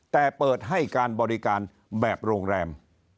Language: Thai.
แต่เปิดให้การบริการแบบโรงแรม